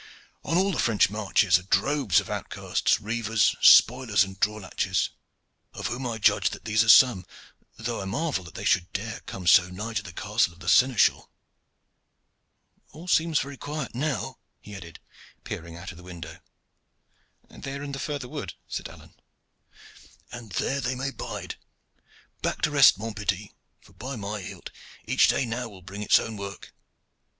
On all the French marches are droves of outcasts, reivers, spoilers, and draw latches, of whom I judge that these are some, though I marvel that they should dare to come so nigh to the castle of the seneschal. All seems very quiet now," he added, peering out of the window. "They are in the further wood," said Alleyne. "And there they may bide. Back to rest, mon petit; for, by my hilt! each day now will bring its own work.